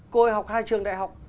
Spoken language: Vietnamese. cô học hai trường đại học